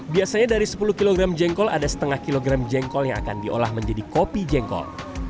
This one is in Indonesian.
biasanya dari sepuluh kg jengkol ada setengah kilogram jengkol yang akan diolah menjadi kopi jengkol